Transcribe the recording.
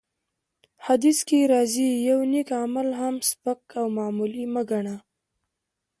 حديث کي راځي : يو نيک عمل هم سپک او معمولي مه ګڼه!